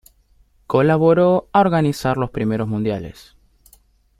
Colaboró a organizar los primeros mundiales.